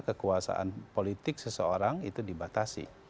kekuasaan politik seseorang itu dibatasi